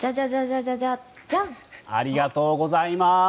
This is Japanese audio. ありがとうございます。